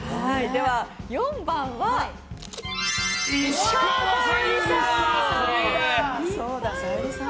では４番は、石川さゆりさん。